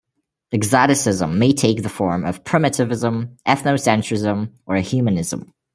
Exoticism may take the form of primitivism, ethnocentrism, or humanism.